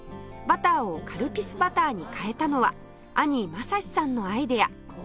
バターをカルピスバターに変えたのは兄まさしさんのアイデア